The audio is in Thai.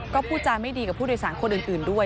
ก็พูดจาไม่ดีกับผู้โดยสารคนอื่นด้วย